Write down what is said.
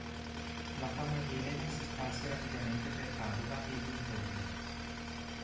La fama di Elena si sparse rapidamente per Padova e i dintorni.